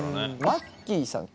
マッキーさん。